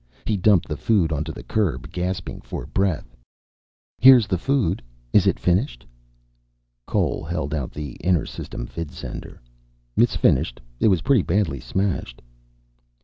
He dumped the food onto the curb, gasping for breath. "Here's the food. Is it finished?" Cole held out the inter system vidsender. "It's finished. It was pretty badly smashed."